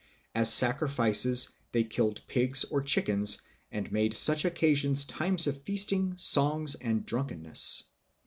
As sacrifices they killed pigs or chickens, and made such occasions times of feasting, song, and drunkenness.